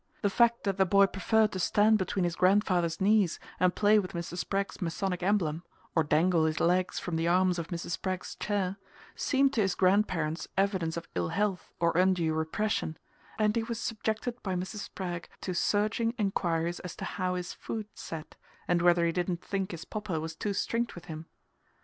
The fact that the boy preferred to stand between his grandfather's knees and play with Mr. Spragg's Masonic emblem, or dangle his legs from the arm of Mrs. Spragg's chair, seemed to his grandparents evidence of ill health or undue repression, and he was subjected by Mrs. Spragg to searching enquiries as to how his food set, and whether he didn't think his Popper was too strict with him.